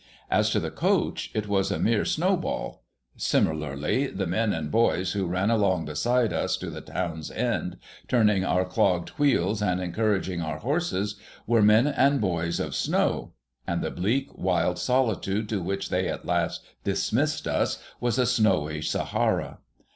As to the coach, it was a mere snowball ; similarly, the men and boys who ran along beside us to the tow^n's end, turning our clogged wheels and encouraging our horses, were men and boys of snow ; and the bleak, wild solitude to which they at last dismissed us was a snowy Sahara.